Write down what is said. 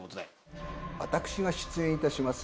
私が出演いたします